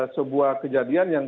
sebuah kejadian yang